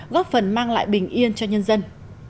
góp phần mang lại bình yên cho nhân dân